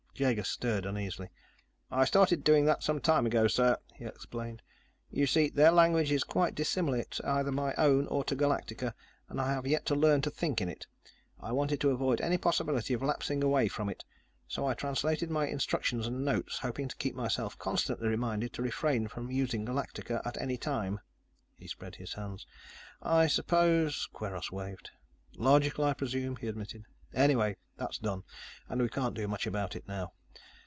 Jaeger stirred uneasily. "I started doing that some time ago, sir," he explained. "You see, their language is quite dissimilar to either my own or to Galactica, and I have yet to learn to think in it. I wanted to avoid any possibility of lapsing away from it, so I translated my instructions and notes, hoping to keep myself constantly reminded to refrain from using Galactica at any time." He spread his hands. "I suppose " Kweiros waved. "Logical, I presume," he admitted. "Anyway, that's done, and we can't do much about it now.